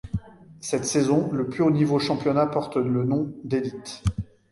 Cette saison, le plus haut niveau championnat porte le nom d'Élite.